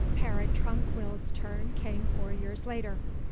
Pere Tranquille's turn came four years later.